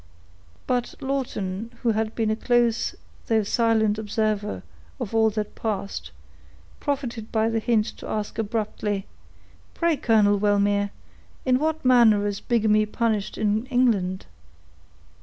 But Lawton, who had been a close though silent observer of all that passed, profited by the hint to ask abruptly,— "Pray, Colonel Wellmere, in what manner is bigamy punished in England?"